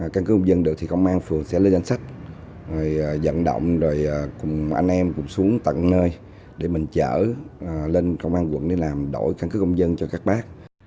căn cứ công dân được thì công an phường sẽ lên danh sách dẫn động rồi cùng anh em cùng xuống tận nơi để mình chở lên công an quận để làm đổi căn cước công dân cho các bác